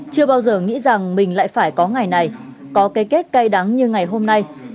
chưa bao giờ nghĩ rằng mình lại phải có ngày này có cái kết cay đắng như ngày hôm nay